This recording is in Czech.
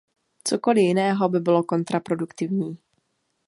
Cokoli jiného by bylo kontraproduktivní.